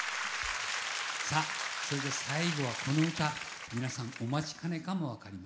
さあそれじゃ最後はこの歌皆さんお待ちかねかも分かりません。